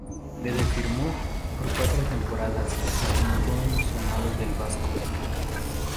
Dede firmó por cuatro temporadas, y se mudó emocionado del Vasco.